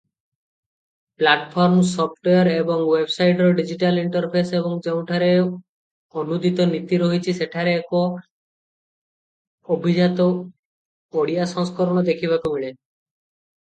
Platform, software ଏବଂ ୱେବସାଇଟର digital interface ଏବଂ ଯେଉଁଠାରେ ଅନୂଦିତ ନୀତି ରହିଛି ସେଠାରେ ଏକ ଅଭିଜାତ ଓଡ଼ିଆ ସଂସ୍କରଣ ଦେଖିବାକୁ ମିଳେ ।